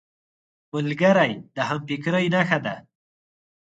ملګری د همفکرۍ نښه ده